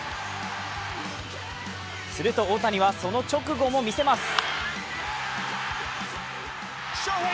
すると大谷は、その直後も見せます。